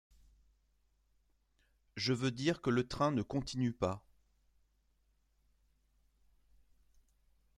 Je veux dire que le train ne continue pas !